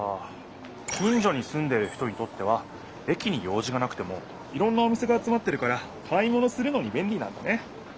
近所にすんでいる人にとっては駅に用じがなくてもいろんなお店が集まってるから買い物するのにべんりなんだね！